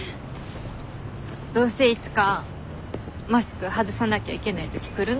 どうせいつかマスク外さなきゃいけない時来るのに。